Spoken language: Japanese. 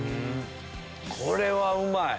これはうまい！